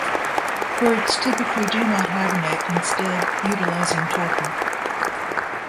Birds typically do not hibernate, instead utilizing torpor.